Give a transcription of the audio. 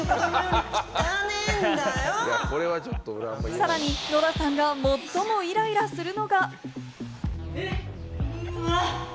さらにノラさんが最もイライラするのが。